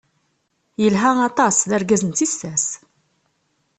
Yelha aṭas d argaz n tissas.